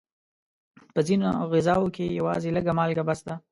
په ځینو غذاوو کې یوازې لږه مالګه بس ده.